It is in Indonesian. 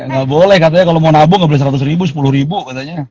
gak boleh katanya kalau mau nabung gak beli seratus ribu sepuluh ribu katanya